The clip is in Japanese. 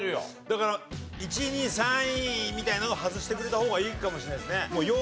だから１位２位３位みたいのは外してくれた方がいいかもしれないですね。